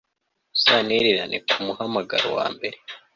Uzantererana kumuhamagaro wambere